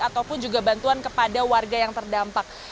ataupun juga bantuan kepada warga yang terdampak